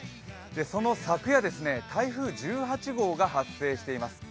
その昨夜、台風１８号が発生しています。